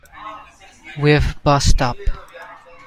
We've bust up.